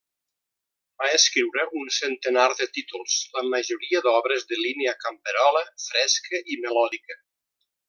Va escriure un centenar de títols, la majoria d'obres de línia camperola, fresca i melòdica.